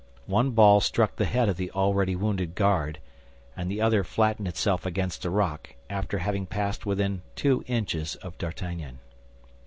One ball struck the head of the already wounded guard, and the other flattened itself against a rock, after having passed within two inches of D'Artagnan.